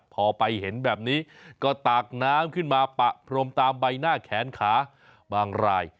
พอไปเห็นแบบนี้ก็ตากน้ำขึ้นมาปะพรมตามใบหน้าแขนขาบางราย